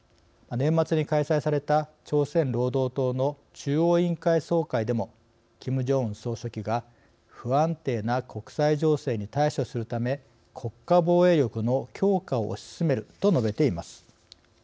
年末に開催された朝鮮労働党の中央委員会総会でもキム・ジョンウン総書記が「不安定な国際情勢に対処するため国家防衛力の強化を推し進める」と述べています。